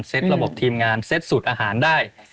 ระบบทีมงานเซ็ตสูตรอาหารได้